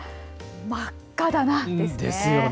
真っ赤だなですね。